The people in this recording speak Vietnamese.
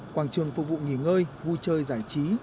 quảng trường phục vụ nghỉ ngơi vui chơi giải trí